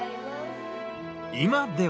今では。